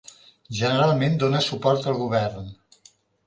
Generalment dóna suport al govern.